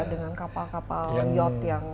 dengan kapal kapal yot yang